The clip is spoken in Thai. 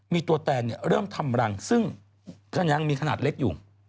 มีตัวแตนเริ่มทำรังซึ่งก็ยังมีขนาดเล็กอยู่